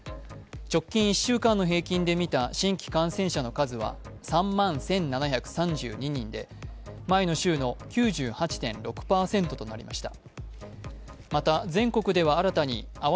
直近１週間の平均で見た新規感染者の数は３万１７３２人で前の週の９８．６％となりました。